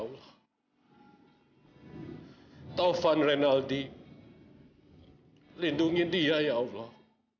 ya allah taufan rinaldi lindungi dia ya allah